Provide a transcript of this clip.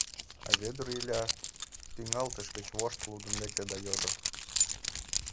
А Вӧдыр Иля тӱҥалтыш гыч вошт лудын лекте да йодо: